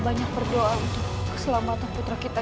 banyak berdoa untuk keselamatan putra kita